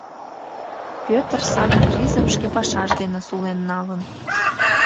Пӧтыр саде призым шке пашаж дене сулен налын.